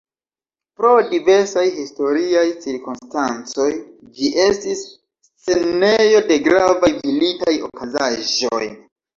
Pro diversaj historiaj cirkonstancoj ĝi estis scenejo de gravaj militaj okazaĵoj.